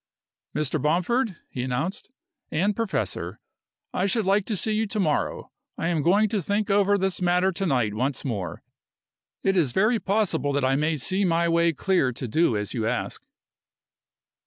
"Mr. Bomford," he announced, "and professor, I should like to see you to morrow. I am going to think over this matter to night once more. It is very possible that I may see my way clear to do as you ask."